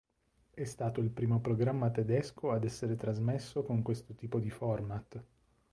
È stato il primo programma tedesco ad essere trasmesso con questo tipo di format.